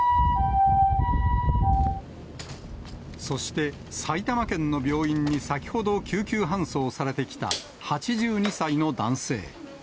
そして、埼玉県の病院に先ほど救急搬送されてきた８２歳の男性。